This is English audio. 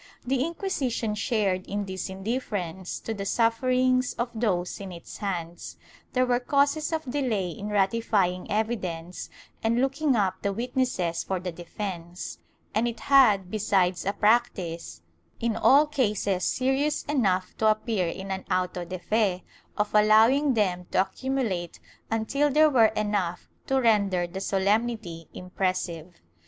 ^ The Inquisition shared in this indifference to the suffer ings of those in its hands; there were causes of delay in ratifying evidence and looking up the witnesses for the defence, and it had besides a practice, in all cases serious enough to appear in an auto de fe, of allowing them to accumulate until there were enough to render the solemnity impressive.